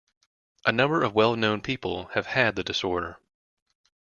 A number of well-known people have had the disorder.